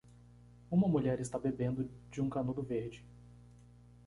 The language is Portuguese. Uma mulher está bebendo de um canudo verde.